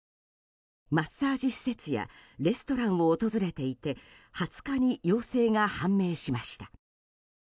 マッサージ施設やレストランを訪れていて２０日に陽性が判明しました。